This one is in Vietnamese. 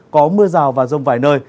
có mưa rào và rông vải nơi